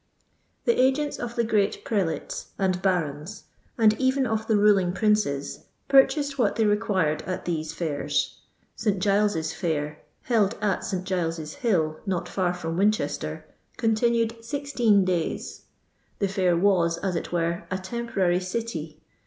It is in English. The agents of the great prelates and barons, nnd even of the ruling princes, purchased what they required at these iairs. St. Qiles's fair, held at St. Giles's hill, not far from Winchester, con tinned sixteen days. The fair was, as it were, a temporary city.